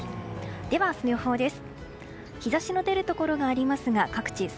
では、明日の予報です。